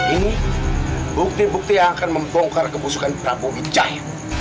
ini bukti bukti yang akan membongkar kebusukan prabu wijaya